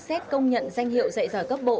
xét công nhận danh hiệu dạy giỏi cấp bộ